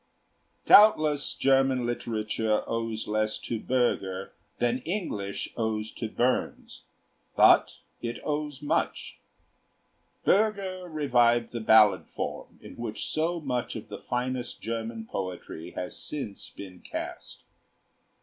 Doubtless German literature owes less to Bürger than English owes to Burns, but it owes much. Bürger revived the ballad form in which so much of the finest German poetry has since been cast.